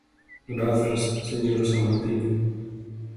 Grazas, señora Samartiño.